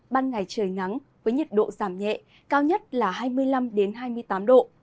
ban ngày trời nắng với nhiệt độ giảm nhẹ cao nhất là hai mươi năm hai mươi tám độ